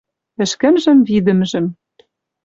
Ӹшкӹмжӹм видӹмжӹм